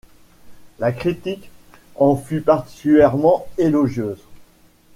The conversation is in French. La critique en fut particulièrement élogieuse.